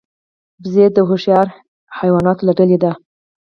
وزې د هوښیار حیواناتو له ډلې ده